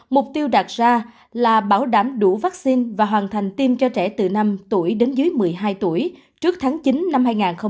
mục tiêu đạt ra là bảo đảm đủ vaccine và hoàn thành tiêm cho trẻ từ năm tuổi đến dưới một mươi hai tuổi trước tháng chín năm hai nghìn hai mươi